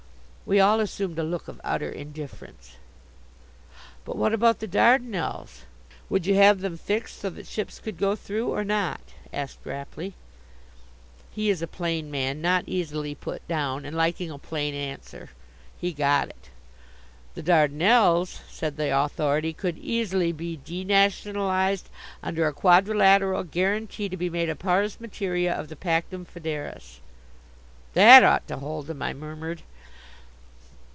We all assumed a look of utter indifference. "But what about the Dardanelles? Would you have them fixed so that ships could go through, or not?" asked Rapley. He is a plain man, not easily put down and liking a plain answer. He got it. "The Dardanelles," said the Authority, "could easily be denationalized under a quadrilateral guarantee to be made a pars materia of the pactum foederis." "That ought to hold them," I murmured.